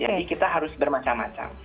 jadi kita harus bermacam macam